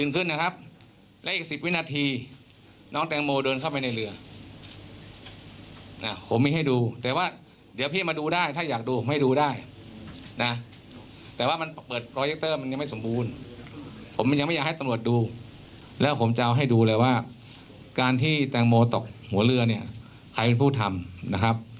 การที่แตงโมตกหัวเรือใครเป็นผู้ทำ